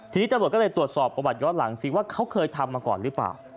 ทีนี้ตำรวจก็เลยตรวจสอบประวัติย้อนหลังสิว่าเขาเคยทำมาก่อนหรือเปล่า